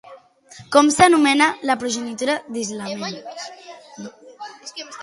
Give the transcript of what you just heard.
Com s'anomena la progenitura d'Isamel?